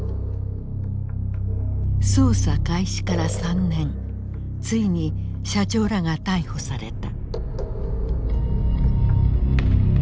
捜査開始から３年ついに社長らが逮捕された。